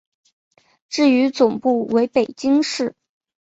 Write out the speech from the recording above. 至于总部为北京市。